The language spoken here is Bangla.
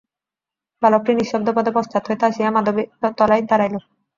বালকটি নিঃশব্দপদে পশ্চাৎ হইতে আসিয়া মাধবীতলায় দাঁড়াইল।